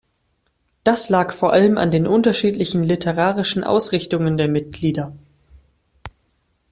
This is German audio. Das lag vor allem an den unterschiedlichen literarischen Ausrichtungen der Mitglieder.